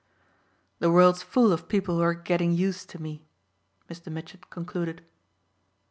The world's full of people who are getting used to me," Mr. Mitchett concluded.